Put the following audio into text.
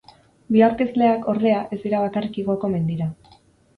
Bi aurkezleak, ordea, ez dira bakarrik igoko mendira.